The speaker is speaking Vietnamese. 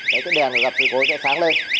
đấy cái đèn gặp dự cố sẽ sáng lên